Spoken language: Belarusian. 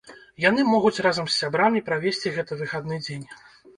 Яны могуць разам з сябрамі правесці гэты выхадны дзень.